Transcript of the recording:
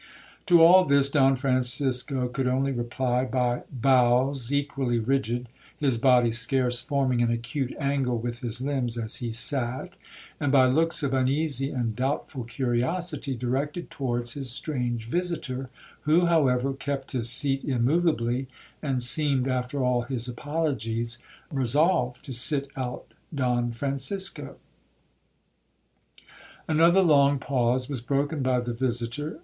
'To all this Don Francisco could only reply by bows equally rigid, (his body scarce forming an acute angle with his limbs as he sat), and by looks of uneasy and doubtful curiosity directed towards his strange visitor, who, however, kept his seat immoveably, and seemed, after all his apologies, resolved to sit out Don Francisco. 'Another long pause was broken by the visitor.